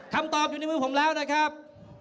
คำตอบอยู่ในมือผมแล้วนะครับ